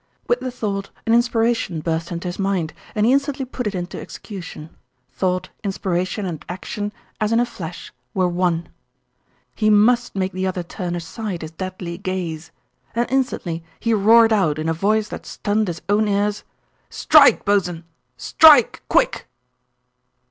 With the thought an inspiration burst into his mind and he instantly put it into execution; thought, inspiration, and action, as in a flash, were one. He must make the other turn aside his deadly gaze, and instantly he roared out in a voice that stunned his own ears: "Strike, bos'n! Strike, quick!"